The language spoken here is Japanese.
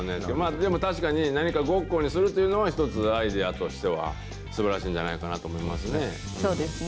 でも確かに、何かごっこにするっていうのも１つ、アイデアとしてはすばらしいんじゃないかなと思いますね。